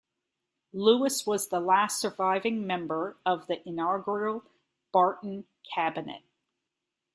Lewis was the last surviving member of the inaugural Barton Cabinet.